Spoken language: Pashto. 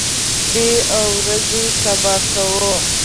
شپې او ورځې سبا کوو.